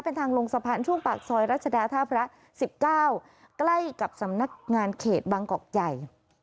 เป็นทางลงสะพานช่วงปากซอยรัชดาท่าพระ๑๙ใกล้กับสำนักงานเขตบางกอกใหญ่